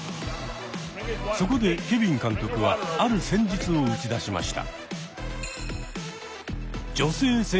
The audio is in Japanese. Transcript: そこでケビン監督はある戦術を打ち出しました。